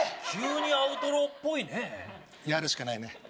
急にアウトローっぽいねやるしかないね